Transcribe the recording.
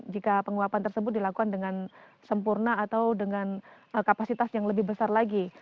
jika penguapan tersebut dilakukan dengan sempurna atau dengan kapasitas yang lebih besar lagi